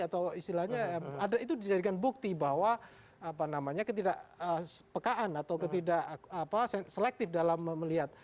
atau istilahnya itu dijadikan bukti bahwa apa namanya ketidakpekaan atau ketidak selektif dalam melihat